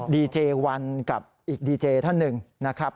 ดีเจวันกับอีกดีเจท่านหนึ่งนะครับ